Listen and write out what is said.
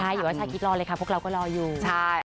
ใช่อยู่ว่าชาคิกรอเลยคะ